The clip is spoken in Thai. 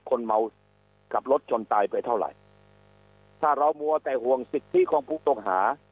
คนเมาขับรถชนตายไปเท่าไหร่ถ้าเรามัวแต่ห่วงสิทธิของผู้ต้องหา